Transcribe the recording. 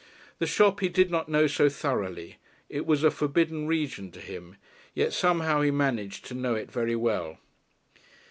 The shop he did not know so thoroughly it was a forbidden region to him; yet somehow he managed to know it very well.